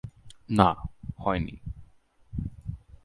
না, হয়নি।